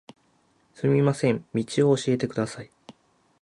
すみません、道を教えてください